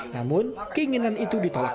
namun keinginan itu ditolak